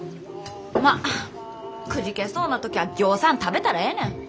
まあくじけそうな時はぎょうさん食べたらええねん。